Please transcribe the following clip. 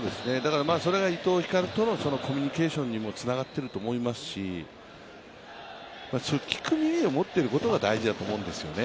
それが伊藤光とのコミュニケーションにもつながってると思いますし聞く耳を持っていることが大事だと思うんですよね。